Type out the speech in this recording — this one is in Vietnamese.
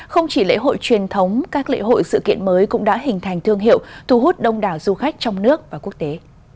không chỉ lễ hội truyền thống các lễ hội sự kiện mới cũng đã hình thành thương hiệu thu hút đông đảo du khách trong nước và quốc tế